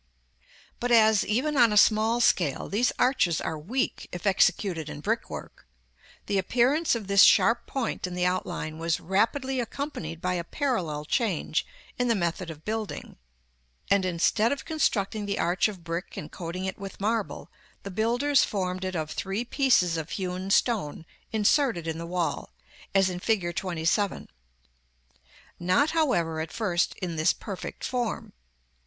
But as, even on a small scale, these arches are weak, if executed in brickwork, the appearance of this sharp point in the outline was rapidly accompanied by a parallel change in the method of building; and instead of constructing the arch of brick and coating it with marble, the builders formed it of three pieces of hewn stone inserted in the wall, as in Fig. XXVII. Not, however, at first in this perfect form.